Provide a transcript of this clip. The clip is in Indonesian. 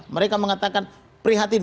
mereka mengatakan prihatin